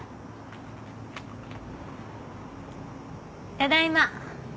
・ただいま。